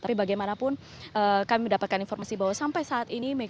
tapi bagaimanapun kami mendapatkan informasi bahwa sampai saat ini